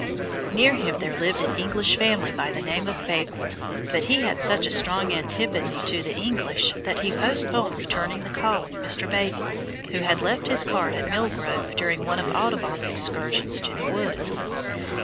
Near him there lived an English family by the name of Bakewell, but he had such a strong antipathy to the English that he postponed returning the call of Mr. Bakewell, who had left his card at Mill Grove during one of Audubon's excursions to the woods.